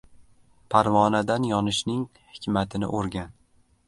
• Parvonadan yonishning hikmatini o‘rgan.